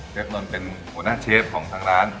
ฟนนท์เป็นหัวหน้าเชฟของทางร้าน